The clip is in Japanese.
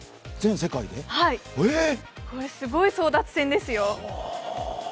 これ、すごい争奪戦ですよ。